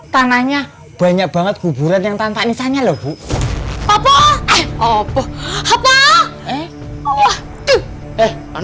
tanahnya banyak banget kuburan yang tanpa nisanya lo bu apa eh apa apa eh eh eh